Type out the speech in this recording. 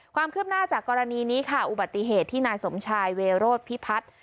ความคืบหน้าจากกรณีนี้ค่ะอุบัติเหตุที่นายสมชายเวโรธพิพัฒน์